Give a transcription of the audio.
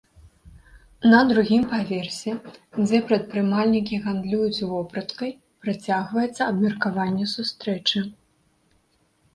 На другім паверсе, дзе прадпрымальнікі гандлююць вопраткай, працягваецца абмеркаванне сустрэчы.